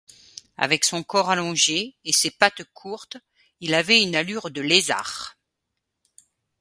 Avec son corps allongé et ses pattes courtes, il avait une allure de lézard.